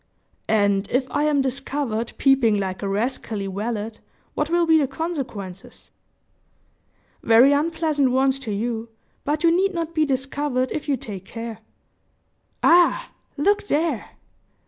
"And if I am discovered peeping like a rascally valet, what will be the consequences?" "Very unpleasant ones to you; but you need not be discovered if you take care. Ah! Look there!"